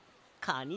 カニ。